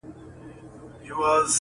اوس به څوك اوري آواز د پردېسانو،